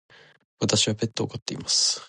私はペットを飼っています。